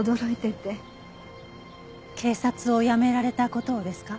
警察を辞められた事をですか？